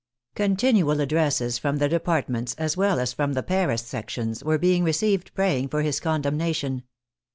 Continual addresses from the departments, as well as from the Paris sections, were being received praying for his condemnation.